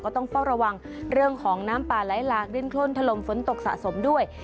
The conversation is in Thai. ต้องเฝ้าระวังเรื่องของน้ำป่าไหลหลากดินโครนถล่มฝนตกสะสมด้วย